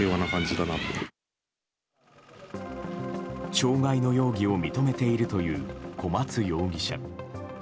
傷害の容疑を認めているという小松容疑者。